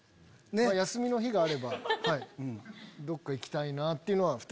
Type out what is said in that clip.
休みの日があればはいどっか行きたいなって２人で。